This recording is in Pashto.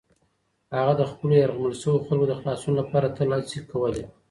هغه د خپلو یرغمل شویو خلکو د خلاصون لپاره تل هڅې کولې.